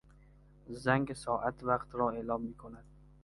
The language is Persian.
زنگ ساعت وقت را اعلام میکند.